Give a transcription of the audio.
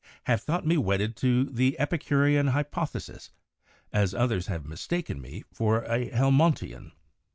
. have thought me wedded to the Epi curean Hypothesis (as others have mistaken me for a Helmontian).